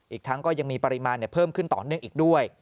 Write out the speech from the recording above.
อีกทั้งก็ยังมีปริมาณเพิ่มขึ้นต่อเนื่องอีกด้วย